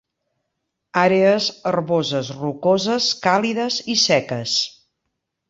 Àrees herboses, rocoses, càlides i seques.